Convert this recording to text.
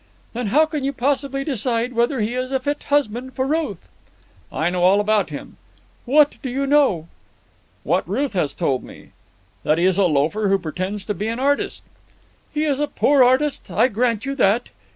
"Then how can you possibly decide whether he is a fit husband for Ruth?" "I know all about him." "What do you know?" "What Ruth has told me. That he is a loafer who pretends to be an artist." "He is a poor artist. I grant you that.